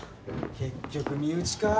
結局身内か。